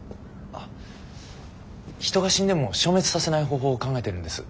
あ人が死んでも消滅させない方法を考えてるんです。